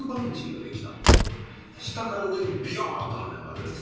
下から上にビヨンと跳ね上がるやつ。